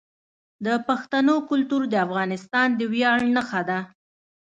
د پښتنو کلتور د افغانستان د ویاړ نښه ده.